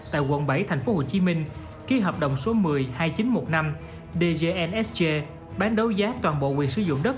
tại quận bảy tp hcm ký hợp đồng số một mươi hai nghìn chín trăm một mươi năm dgnsg bán đấu giá toàn bộ quyền sử dụng đất